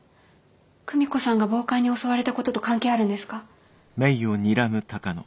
久美子さんが暴漢に襲われたことと関係あるんですか？